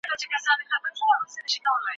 له تجربو څخه زده کړه کیږي.